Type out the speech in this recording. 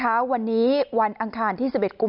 และสำเร็จพระนางเจ้าพระบรมราชินี